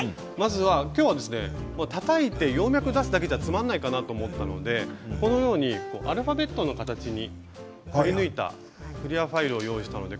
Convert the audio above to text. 今日はたたいて葉脈を出すだけではつまらないと思ってこのようにアルファベットの形にくりぬいたクリアファイルを用意しました。